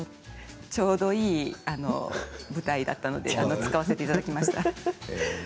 ちょうどいい舞台だったので使わせていただきました。